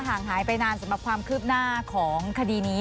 ห่างหายไปนานสำหรับความคืบหน้าของคดีนี้